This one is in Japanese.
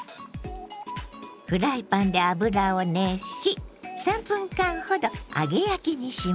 フライパンで油を熱し３分間ほど揚げ焼きにします。